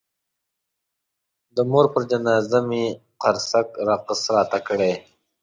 د مور پر جنازه یې قرصک رقص راته کړی.